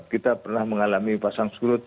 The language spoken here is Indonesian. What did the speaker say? kita pernah mengalami pasang surut